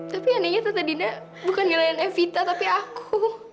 tapi anehnya tante dina bukan nelayan evita tapi aku